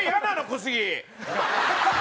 小杉！